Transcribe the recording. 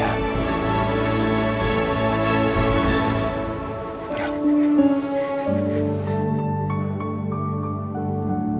aku takut banget